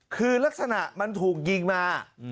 คือลักษณะมันถูกยิงมา